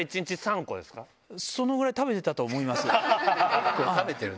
そのぐらい食べてたと思いま食べてるね。